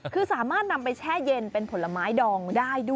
คือสามารถนำไปแช่เย็นเป็นผลไม้ดองได้ด้วย